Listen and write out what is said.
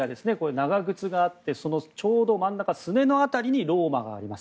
長靴があってそのちょうど真ん中すねの辺りにローマがあります。